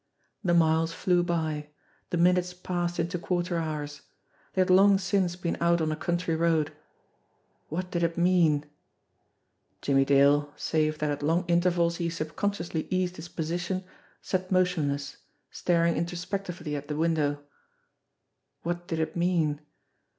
The miles flew by ; the minutes passed into quarter hours. They had long since been out on a country road. What did it mean ? Jimmie Dale, save that at long intervals he subconsciously eased his position, sat motionless, staring introspectively at the; window. What did it mean